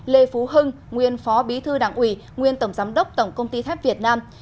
lê phú hưng nguyên phó bí thư đảng ủy nguyên tổng giám đốc tổng công ty thép việt nam